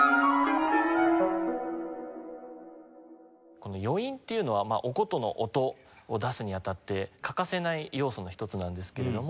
この余韻っていうのはまあお箏の音を出すに当たって欠かせない要素の一つなんですけれども。